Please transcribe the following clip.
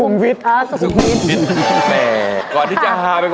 มีตัวปูตัวปมตัวจี๊บ